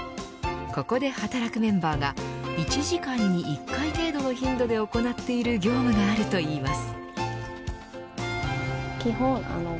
ここで働くメンバーが１時間に１回程度の頻度で行っている業務があるといいます。